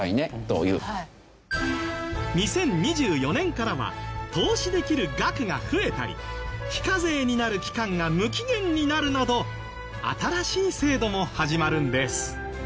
２０２４年からは投資できる額が増えたり非課税になる期間が無期限になるなど新しい制度も始まるんです。